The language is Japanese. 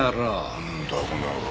なんだこの野郎。